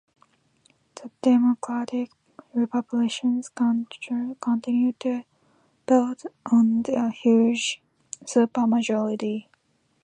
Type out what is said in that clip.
The Democratic-Republicans continued to build on their huge supermajority.